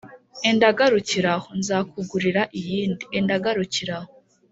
enda garukira aho nzakugurira iyindi, enda garukira aho.’